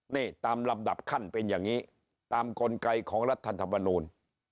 นี่ตามลำดับขั้นเป็นอย่างนี้ตามกลไกของรัฐธรรมนูล